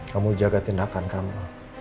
kamu jaga tindakan kamu